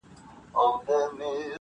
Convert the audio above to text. • او يوازې پاتې کيږي هره ورځ,